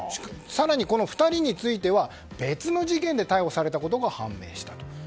更に２人については別の事件で逮捕されたことが判明したと。